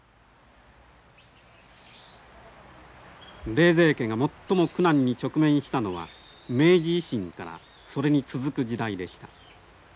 冷泉家が最も苦難に直面したのは明治維新からそれに続く時代でした。